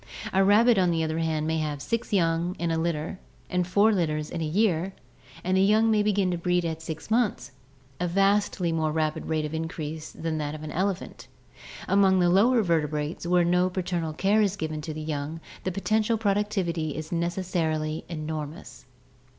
A rabbit, on the other hand, may have six young in a litter and four litters in a year, and the young may begin to breed at six months, a vastly more rapid rate of increase than that of the elephant. Among the lower vertebrates where no paternal care is given to the young the potential productivity is necessarily enormous.